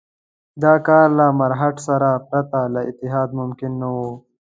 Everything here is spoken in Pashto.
دا کار له مرهټه سره پرته له اتحاد ممکن نه وو.